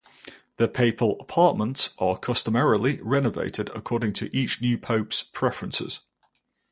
The Papal Apartments are customarily renovated according to each new pope's preferences.